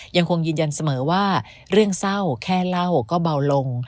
ยังคงยืนยันเสมอว่าเรื่องเศร้าแค่เล่าก็เบาลง